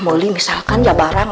moli misalkan dia bareng